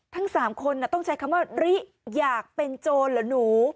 ทั้ง๓คนต้องใช้คำว่าริอยากเป็นโจรเหรอหนู